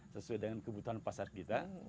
sesuai dengan kebutuhan pasar kita